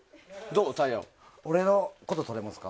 俺のこととれますか？